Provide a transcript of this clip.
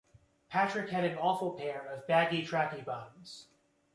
Patrick had an awful pair of baggy trackie bottoms.